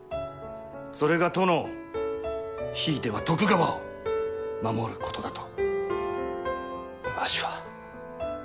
それが殿をひいては徳川を守ることだと。